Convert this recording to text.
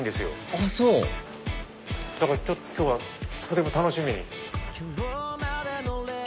あっそうだから今日はとても楽しみに。